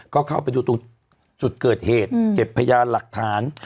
ก็เข้าไปดูตรงจุดเกิดเหตุเก็บพยานหลักฐาน